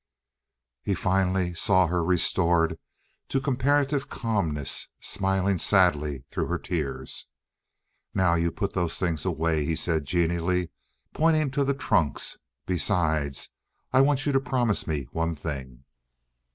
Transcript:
He finally saw her restored to comparative calmness, smiling sadly through her tears. "Now you put those things away," he said genially, pointing to the trunks. "Besides, I want you to promise me one thing."